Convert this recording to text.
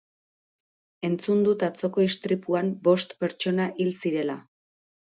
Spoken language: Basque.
Entzun dut atzoko istripuan bost pertsona hil zirela.